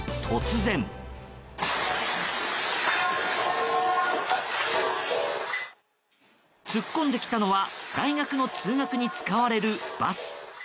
突っ込んできたのは大学の通学に使われるバス。